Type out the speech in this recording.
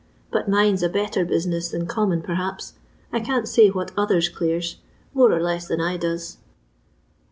But mine 's a better business than com mon, perhaps. I can't say what others clears ; more and less than I does."